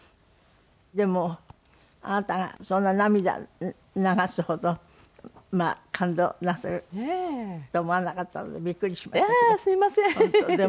でもあなたがそんな涙流すほど感動なさると思わなかったのでビックリしましたけど。